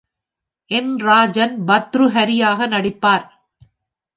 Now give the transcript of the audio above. என் ராஜன் பர்த்ருஹரியாக நடிப்பார்.